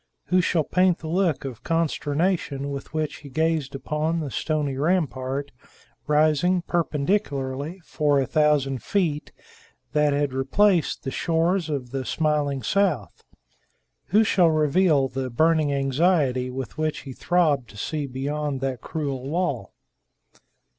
Who shall paint the look of consternation with which he gazed upon the stony rampart rising perpendicularly for a thousand feet that had replaced the shores of the smiling south? Who shall reveal the burning anxiety with which he throbbed to see beyond that cruel wall?